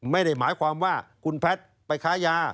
ไม่ได้หมายความว่าคุณแพทย์ไปค้ายา